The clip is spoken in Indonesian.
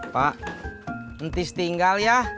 pak ntis tinggal ya